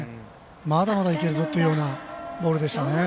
まだまだいけるぞというようなボールでしたね。